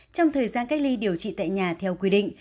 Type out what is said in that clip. trong thời gian cách ly điều trị tại nhà theo quy định